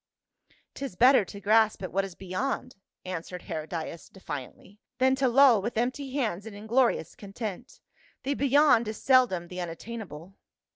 " 'Tis better to grasp at what is beyond," answered Hcrodias defiantly, "than to loll with empty hands in inglorious content. The beyond is seldom the unat tainable."